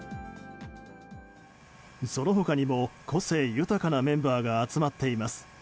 その他にも、個性豊かなメンバーが集まっています。